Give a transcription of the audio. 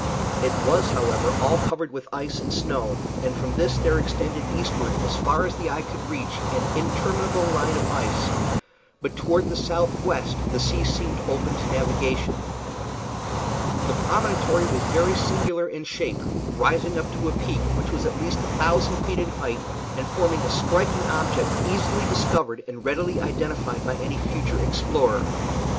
It was, however, all covered with ice and snow, and from this there extended eastward as far as the eye could reach an interminable line of ice, but toward the southwest the sea seemed open to navigation. The promontory was very singular in shape, rising up to a peak which was at least a thousand feet in height, and forming a striking object, easily discovered and readily identified by any future explorer.